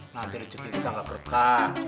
nanti rezeki kita nggak berkah